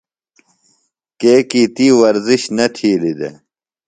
کیکیۡ تی ورزش نہ تِھیلیۡ دےۡ۔